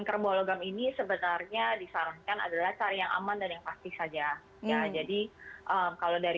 kerbau logam ini sebenarnya disarankan adalah cari yang aman dan yang pasti saja ya jadi kalau dari